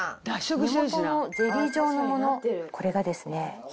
根元のゼリー状のものこれがですね。